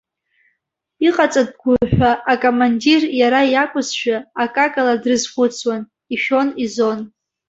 Иҟаҵатәқәоу ҳәа, акомандир иара иакәызшәа, акакала дрызхәыцуан, ишәон-изон.